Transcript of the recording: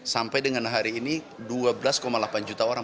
sampai dengan hari ini dua belas delapan juta orang